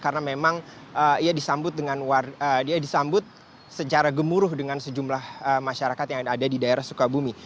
karena memang ia disambut secara gemuruh dengan sejumlah masyarakat yang ada di daerah sukabumi